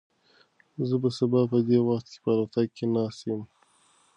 زه به سبا په دې وخت کې په الوتکه کې ناست یم.